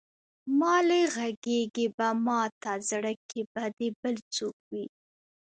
مالې غږېږې به ماته زړه کې به دې بل څوک وي.